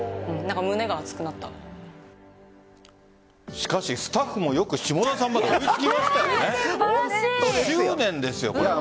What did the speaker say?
しかし、スタッフもよく下田さんまで執念ですよね。